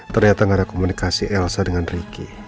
ternyata gak ada komunikasi elsa dengan ricky